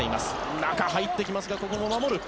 中、入ってきますがここも守る。